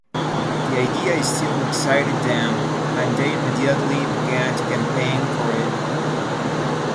The idea still excited them, and they immediately began to campaign for it.